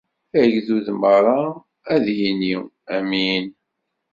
Agdud meṛṛa ad yini: Amin!